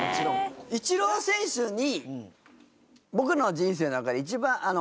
イチロー選手に。